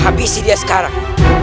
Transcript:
habisi dia sekarang